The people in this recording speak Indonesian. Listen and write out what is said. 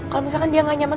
kalau misalkan dia gak nyaman